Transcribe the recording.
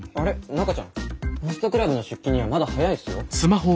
中ちゃんホストクラブの出勤にはまだ早いっすよ？